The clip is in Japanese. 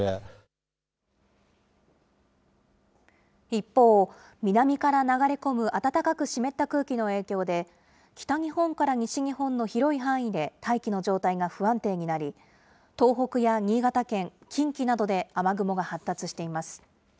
一方、南から流れ込む暖かく湿った空気の影響で、北日本から西日本の広い範囲で大気の状態が不安定になり、東北や新潟県、近畿などで雨雲が発達しています。